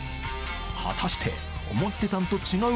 果たして「思ってたんと違う！」